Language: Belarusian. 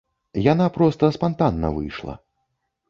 Яна проста спантанна выйшла.